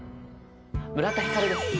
村田光です。